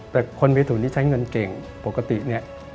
แต่คนเมทุนที่ใช้เงินเก่งปกติเนี่ย